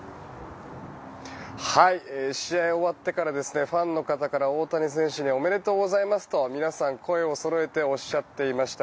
試合が終わってからファンの方から大谷選手におめでとうございますと皆さん、声をそろえておっしゃっていました。